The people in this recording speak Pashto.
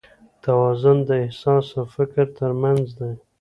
توازن د احساس او فکر تر منځ دی.